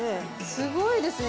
すごいですね。